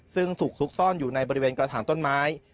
ซึ่งถูกซุกซ่อนอยู่ในบริเวณกระถางต้นไม้